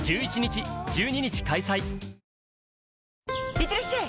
いってらっしゃい！